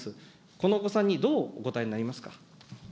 このお子さんにどうお答えになりますか。